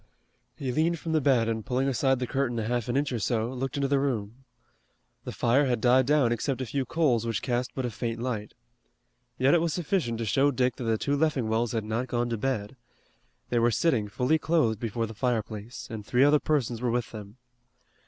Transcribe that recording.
He leaned from the bed and pulling aside the curtain a half an inch or so, looked into the room. The fire had died down except a few coals which cast but a faint light. Yet it was sufficient to show Dick that the two Leffingwells had not gone to bed. They were sitting fully clothed before the fireplace, and three other persons were with them.